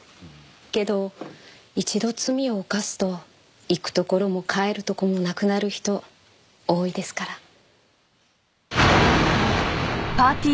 けど一度罪を犯すと行くところも帰るところもなくなる人多いですから。